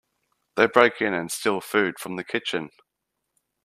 They break in and steal food from the kitchen.